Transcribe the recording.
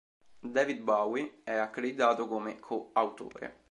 David Bowie è accreditato come co-autore.